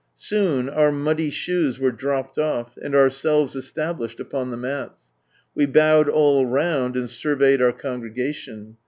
Soon our muddy shoes were dropped off, and ourselves established upon the mats. We bowed all round, and surveyed our congregation.